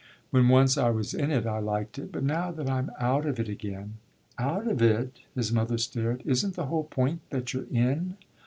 When once I was in it I liked it. But now that I'm out of it again !" "Out of it?" His mother stared. "Isn't the whole point that you're in?"